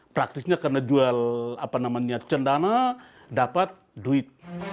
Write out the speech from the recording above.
praktisnya karena jual cendana dapat duit